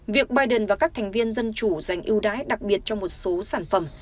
việc biden và các thành viên dân chủ dành ưu đãi đặc biệt cho một số sản phẩm